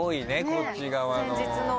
こっち側の。